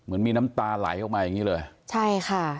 เหมือนมีน้ำตาล่ายลงไปอย่างนี้เลย